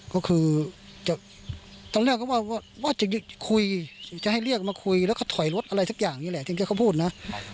ก็คือตอนแรกก็ว่าจะคุยจะให้เรียกมาคุยแล้วก็ถอยรถอะไรสักอย่างนี้แหละถึงแกก็พูดนะ